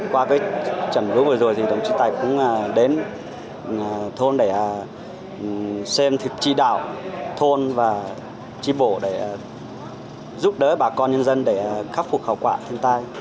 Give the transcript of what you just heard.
qua cái trận vũ vừa rồi thì đồng chí tài cũng đến thôn để xem thực trị đảo thôn và tri bộ để giúp đỡ bà con nhân dân để khắc phục khó khăn hiện tại